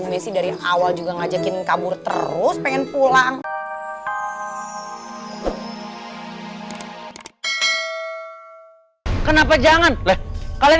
messi dari awal juga ngajakin kabur terus pengen pulang kenapa jangan kalian